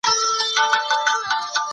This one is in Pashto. هغه په کمپيوټر کي پروګرام جوړوي.